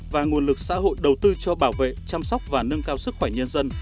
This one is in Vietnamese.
và nguồn lực xã hội đầu tư cho bảo vệ chăm sóc và nâng cao sức khỏe nhân dân